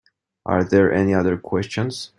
Are there any other questions?